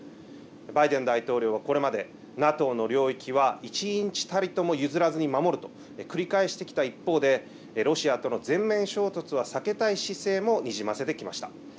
バイデン大統領はこれまでＮＡＴＯの領域は１インチたりとも譲らずに守ると繰り返してきた一方でロシアとの全面衝突は避けたい姿勢もにじませてきました。